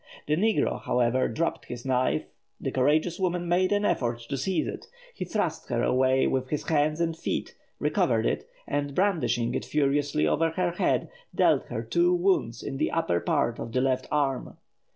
The negro, however, dropped his knife; the courageous woman made an effort to seize it; he thrust her away with his hands and feet, recovered it, and brandishing it furiously over her head, dealt her two wounds in the upper part of the left arm.